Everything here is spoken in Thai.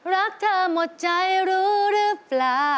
รักเธอหมดใจรู้หรือเปล่า